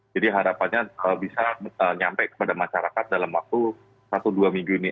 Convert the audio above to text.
jadi harapannya bisa nyampe kepada masyarakat dalam waktu satu dua minggu ini